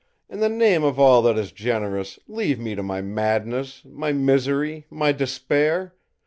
In the name of all that is generous, leave me to my madness, my misery, my despair!